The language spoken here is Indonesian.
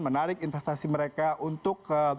menarik investasi mereka untuk ke komoditi lain